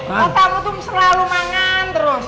kamu tuh selalu mangan terus